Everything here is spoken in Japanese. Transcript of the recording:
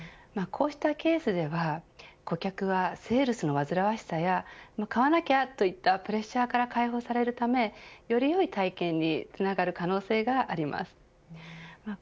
こうしたケースでは顧客はセールスの煩わしさや買わなきゃといったプレッシャーから解放されるためよりよい体験につながる可能性があります。